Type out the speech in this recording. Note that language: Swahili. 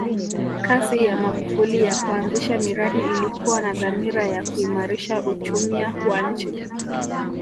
kasi ya magufuli ya kuanzisha miradi ilikuwa na dhamira ya kuimarisha uchumia wa nchi